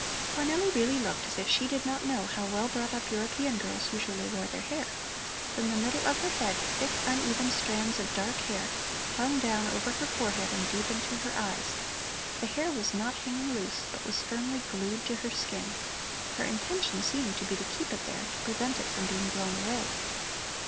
Cornelli really looked as if she did not know how well brought up European girls usually wore their hair. From the middle of her head thick uneven strands of dark hair hung down over her forehead and deep into her eyes. The hair was not hanging loose, but was firmly glued to her skin. Her intention seemed to be to keep it there to prevent it from being blown away.